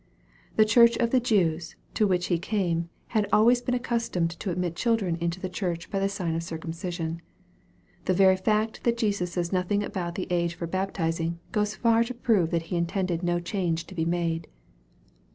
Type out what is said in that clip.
The church of the Jews, to which He came, had always been accustomed to admit children into the church by the sign of circumcision. The very fa. t that Jesus says nothing about the age for baptizing, goes far to prove that He intended no change to be made.